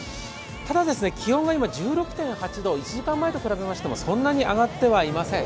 ただ気温が今、１６．８度、１時間前と比べましてもそんなに上がってはいません。